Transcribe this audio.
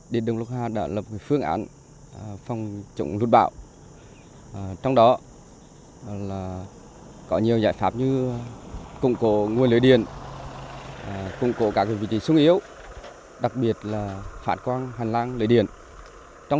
tỉnh quảng trị là địa phương chịu nhiều thiệt hại do mưa bão trong đó lúc xoáy đã làm gãy đổ cột điện